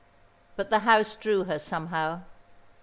But the house drew her somehow.